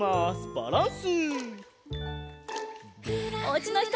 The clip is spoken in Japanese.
バランス。